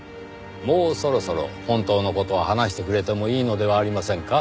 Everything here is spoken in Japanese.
もうそろそろ本当の事を話してくれてもいいのではありませんか？